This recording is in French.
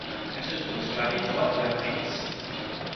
Elle se trouve sur la rive droite de la Printse.